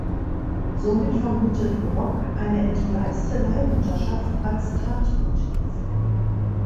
Somit vermutet Brock eine entgleiste Leihmutterschaft als Tatmotiv.